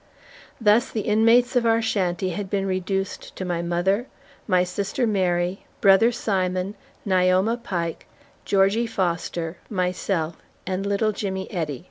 Thus the inmates of our shanty had been reduced to my mother, my sister Mary, brother Simon, Nioma Pike, Georgie Foster, myself, and little Jimmy Eddy.